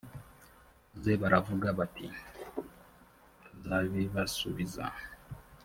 maze baravuga bati tuzabibasubiza